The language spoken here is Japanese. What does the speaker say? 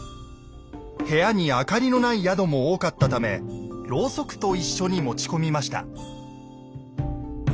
部屋に明かりのない宿も多かったためろうそくと一緒に持ち込みました。